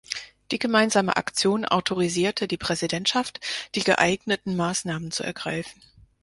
Die gemeinsame Aktion autorisierte die Präsidentschaft, die geeigneten Maßnahmen zu ergreifen.